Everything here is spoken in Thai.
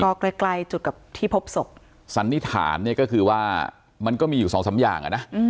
ก็ใกล้ใกล้จุดกับที่พบศพสันนิษฐานเนี่ยก็คือว่ามันก็มีอยู่สองสามอย่างอ่ะนะ